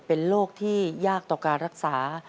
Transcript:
เป็นโรคที่ยากต่อการรักษา